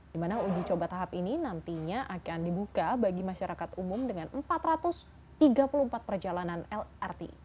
dimana uji coba tahap ini nantinya akan dibuka bagi masyarakat umum dengan empat ratus tiga puluh empat perjalanan lrt